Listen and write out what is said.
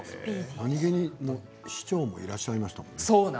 なにげに市長もいらっしゃいましたね。